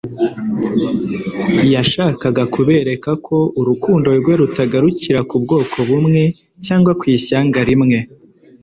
Yashakaga kubereka ko urukundo rwe rutagarukira ku bwoko bumwe cyangwa ku ishyanga rimwe.